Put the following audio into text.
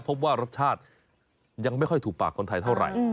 พบว่ารสชาติยังไม่ค่อยถูกปากคนไทยเท่าไหร่